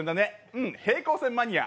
うん、平行線マニア。